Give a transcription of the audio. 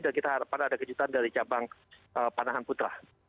dan kita harapkan ada kejutan dari cabang panahan putra